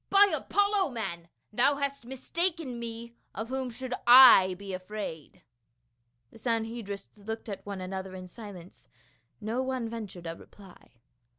" By Apollo, man, thou hast mistaken me ; of whom should I be afraid ?" The Sanhedrists looked at one another in silence ; no one ventured a reply.